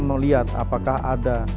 melihat apakah ada